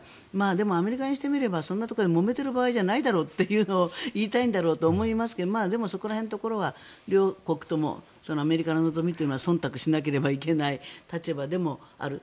でもアメリカにしてみればそんなところでもめてる場合じゃないだろうと言いたいんだろうと思いますがでも、そこら辺のところは両国ともアメリカの望みというのはそんたくしなければいけない立場でもある。